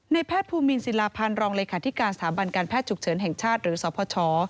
แพทย์ภูมินศิลาพันธ์รองเลขาธิการสถาบันการแพทย์ฉุกเฉินแห่งชาติหรือสพช